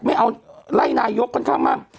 ไม่เอาไล่นายกรัฐมนตร์ค่อนข้างมาก